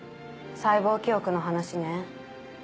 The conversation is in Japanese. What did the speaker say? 細胞記憶の話ね。